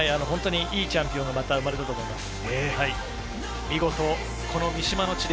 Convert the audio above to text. いいチャンピオンがまた生まれたと思います。